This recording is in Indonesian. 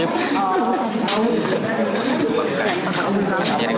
ud tri hartono ya